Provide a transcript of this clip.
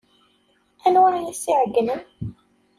Anwa ay as-iɛeyynen?